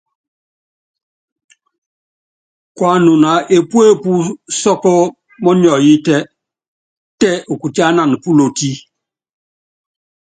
Kuanuna epuepú sɔ́kɔ́ mɔniɔyítɛ, tɛ ukutiánan púloti.